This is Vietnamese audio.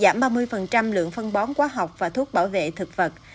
giảm ba mươi lượng phân bón quá học và thuốc bảo vệ thực vật